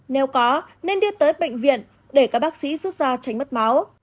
nếu có nên đưa tới bệnh viện để các bác sĩ rút ra tránh mất máu